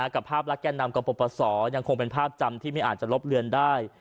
กับภาพลักษณ์แก่นำกรปศยังคงเป็นภาพจำที่ไม่อาจจะลบเลือนได้